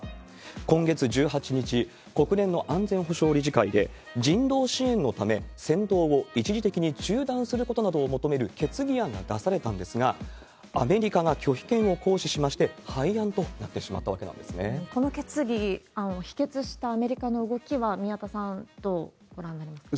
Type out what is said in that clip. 今月１８日、国連の安全保障理事会で、人道支援のため、戦闘を一時的に中断することなどを求める決議案が出されたんですが、アメリカが拒否権を行使しまして廃案となってしまったわけなんでこの決議案を否決したアメリカの動きは、宮田さん、どうご覧になりますか？